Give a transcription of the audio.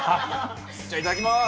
じゃあいただきます！